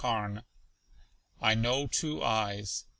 CHORUS: I KNOW TWO EYES.